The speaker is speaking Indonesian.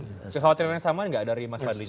kekhawatiran yang sama gak dari mas hadri juga